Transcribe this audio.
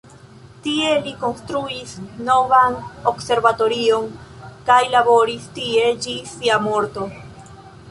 Tie li konstruis novan observatorion kaj laboris tie ĝis sia morto.